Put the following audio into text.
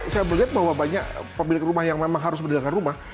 saya melihat bahwa banyak pemilik rumah yang memang harus berdagangkan rumah